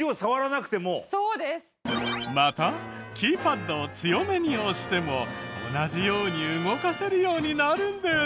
またキーパッドを強めに押しても同じように動かせるようになるんです。